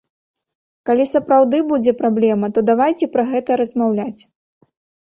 Калі сапраўды будзе праблема, то давайце пра гэта размаўляць.